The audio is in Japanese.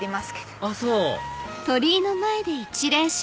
あっそう！